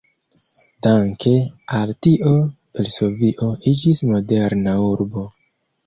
Danke al tio Varsovio iĝis moderna urbo.